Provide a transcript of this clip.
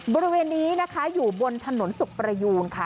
บริเวณนี้นะคะอยู่บนถนนสุขประยูนค่ะ